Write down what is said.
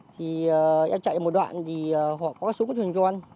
thì em chạy một đoạn thì họ có súng thuyền con